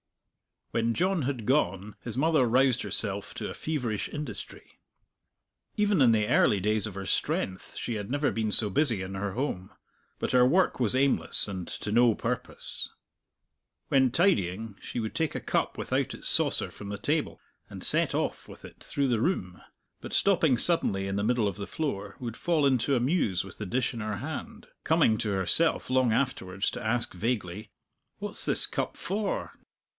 When John had gone his mother roused herself to a feverish industry. Even in the early days of her strength she had never been so busy in her home. But her work was aimless and to no purpose. When tidying she would take a cup without its saucer from the table, and set off with it through the room, but stopping suddenly in the middle of the floor, would fall into a muse with the dish in her hand; coming to herself long afterwards to ask vaguely, "What's this cup for?...